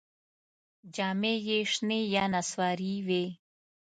جامې یې شنې یا نسواري وې.